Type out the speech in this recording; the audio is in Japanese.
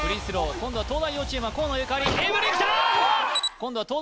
今度は東大王チームは河野ゆかりエブリンきた！